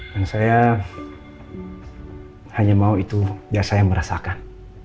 dan saya hanya mau itu biar saya merasakan